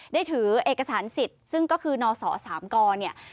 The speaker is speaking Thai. ถือเอกสารสิทธิ์ซึ่งก็คือนศ๓กเนี่ย